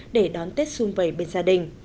để đón tết xuân vầy bên gia đình